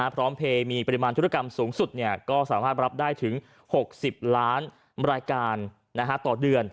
พร้อมเพย์มีปริมาณธุรกรรมสูงสุดก็สามารถรับได้ถึง๖๐ล้านรายการต่อเดือน